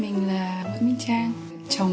mình là bức minh trang